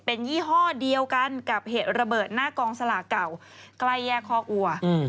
เป็นยี่ห้อเดียวกันกับเหตุระเบิดหน้ากองสลากเก่าใกล้แยกคอกอัว